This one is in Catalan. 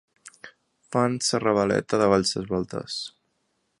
Fan sa ravaleta davall ses voltes